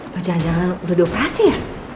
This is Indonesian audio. oh jangan jangan udah dioperasi ya